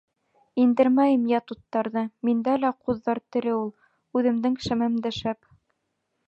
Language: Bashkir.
Индермәйем ят уттарҙы, Миндә лә ҡуҙҙар тере ул, Үҙемдең шәмем дә шәп.